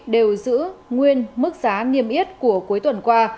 đều giữ nguyên mức giá niêm yết của cuối tuần qua